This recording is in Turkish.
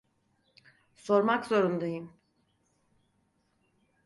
Sormak zorundaydım.